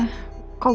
saya juga ngeri